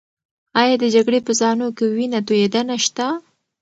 ایا د جګړې په صحنو کې وینه تویدنه شته؟